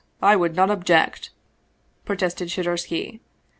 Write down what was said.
I would not object !" protested Shadursky.